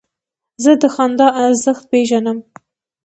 زه د خندا ارزښت پېژنم.